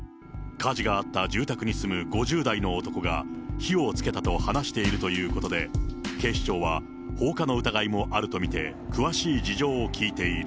火事があった住宅に住む５０代の男が、火をつけたと話しているということで、警視庁は放火の疑いもあると見て、詳しい事情を聴いている。